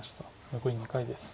残り２回です。